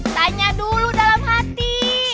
tanya dulu dalam hati